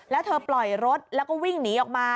แล้วเธอปล่อยรถแล้วก็วิ่งหนีออกมา